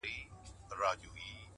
فکر وضاحت ګډوډي ختموي؛